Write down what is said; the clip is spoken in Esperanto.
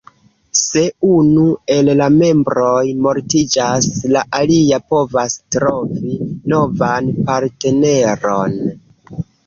Se unu el la membroj mortiĝas, la alia povas trovi novan partneron.